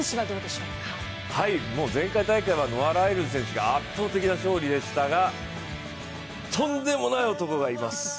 前回大会はノア・ライルズ選手が圧倒的な勝利でしたがとんでもない男がいます。